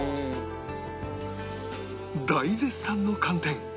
大絶賛の寒天